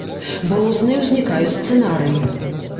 Бо розныя ўзнікаюць сцэнарыі.